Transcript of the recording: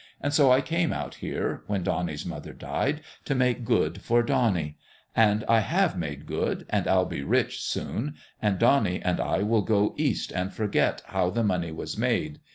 And so I came out here, when Donnie's mother died, to make good for Donnie ; and I have made good, and I'll be rich, soon, and Donnie and I will go East and forget how the money was made.